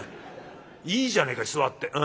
いいじゃねえか座って。